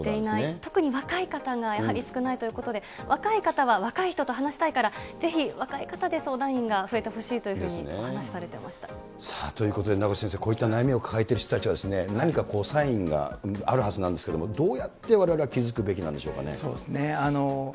特に若い方がやはり少ないということで、若い方は若い人と話したいから、ぜひ若い方で相談員が増えてほしいというふうにお話しされてましということで、名越先生、こういった悩みを抱えている人たちは、何かサインがあるはずなんですけども、どうやってわれわれは気付くべきなんでしょうかね？